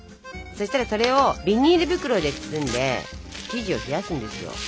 そしたらそれをビニール袋で包んで生地を冷やすんですよ。